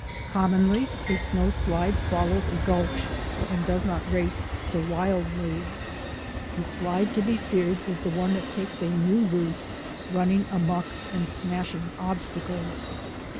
Commonly a snowslide follows a gulch and does not race so wildly. The slide to be feared is the one that takes a new route, running amuck and smashing obstacles.